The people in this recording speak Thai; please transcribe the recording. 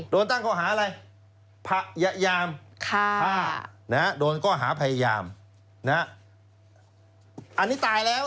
โดนตั้งเขาหาอะไรพยายามค่ะนะโดนก็หาพยายามนะอันนี้ตายแล้ว